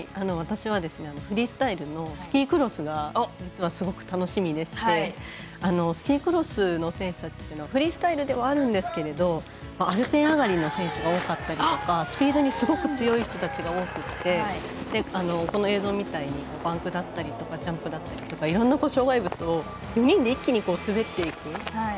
私はフリースタイルのスキークロスが実はすごく楽しみでしてスキークロスの選手たちはフリースタイルではあるんですがアルペン上がりの選手が多かったりとかスピードにすごく強い人たちが多くてこの映像みたいにバンクだったりとかジャンプだったりとかいろんな障害物を４人で一気に滑っていく。